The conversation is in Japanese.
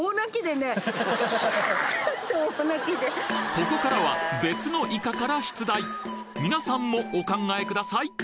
ここからは別のイカから出題皆さんもお考えください